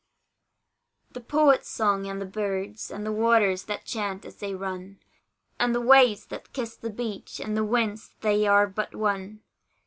The poet's song, and the bird's, And the waters' that chant as they run And the waves' that kiss the beach, And the wind's they are but one.